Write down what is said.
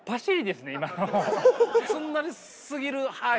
すんなりすぎる。